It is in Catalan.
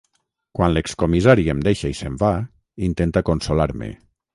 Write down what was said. Quan l'excomissari em deixa i se'n va, intenta consolar-me.